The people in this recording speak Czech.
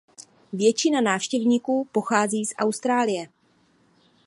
Většina návštěvníků pochází z Austrálie.